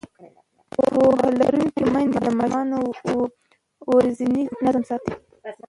پوهه لرونکې میندې د ماشومانو ورځنی نظم ساتي.